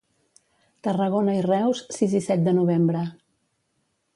Tarragona i Reus, sis i set de novembre.